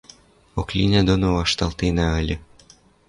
Оклина доно вашталтенӓ ыльы...